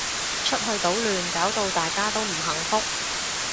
出去搗亂搞到大家都唔幸福